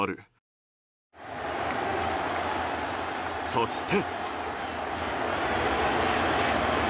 そして。